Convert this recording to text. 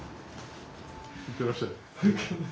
いってらっしゃい。